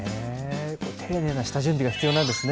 丁寧な下準備が必要なんですね。